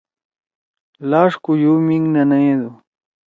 لآش کوجو مینگ ننیدو۔